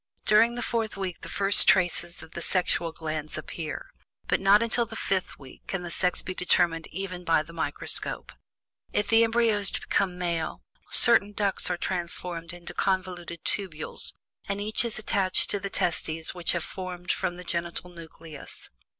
During the fourth week the first traces of the sexual glands appear, but not until the fifth week can the sex be determined even by the microscope. If the embryo is to become a male, certain ducts are transformed into convoluted tubules, and each is attached to the testes which have been formed from the genital nucleus.